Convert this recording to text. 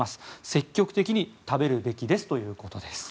積極的に食べるべきですということです。